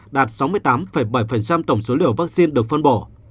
đạt sáu mươi tám bảy tổng số liều vaccine được phân bổ